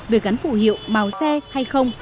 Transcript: về gắn phụ hiệu màu xe hay không